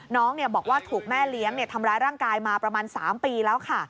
น้องบอกว่าถูกแม่เลี้ยงทำร้ายร่างกายมาประมาณ๓ปีแล้วค่ะ